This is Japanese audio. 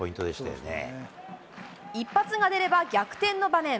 一発が出れば逆転の場面。